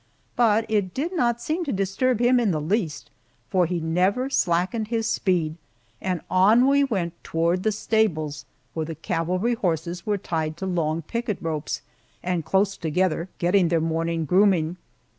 But it did not seem to disturb him in the least, for he never slackened his speed, and on we went toward the stables, where the cavalry horses were tied to long picket ropes, and close together, getting their morning grooming.